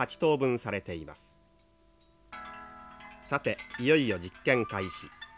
さていよいよ実験開始。